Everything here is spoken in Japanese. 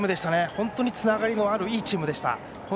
本当につながりのあるいいチームでした。